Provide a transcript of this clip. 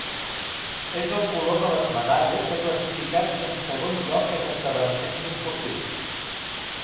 És el color de les medalles de classificats en segon lloc en esdeveniments esportius.